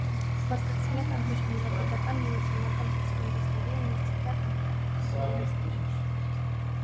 Մասնակցել է տարբեր հանրապետական, միութենական ցուցահանդեսների, ունեցել է անհատական ցուցահանդեսներ։